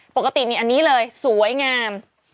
ปกตินี่อันนี้เลยสวยงาม